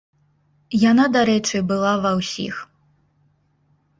Яна, дарэчы, была ва ўсіх.